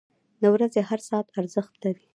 • د ورځې هر ساعت ارزښت لري.